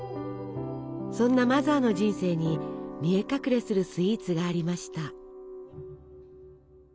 そんなマザーの人生に見え隠れするスイーツがありました。